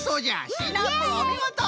シナプーおみごと！